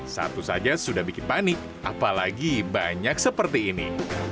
satu saja sudah bikin panik apalagi banyak seperti ini